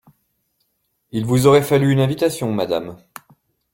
Il vous aurait fallu une invitation, madame.